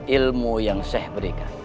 setiap ilmu yang syekh berikan